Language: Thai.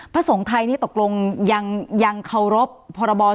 พระสงฆ์ไทยนี่ตกลงยังเคารพพรบ